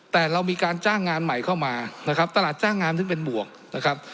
แต่เรามีการจ้างงานใหม่เข้ามานะครับตลาดจ้างงานซึ่งเป็นบวกนะครับ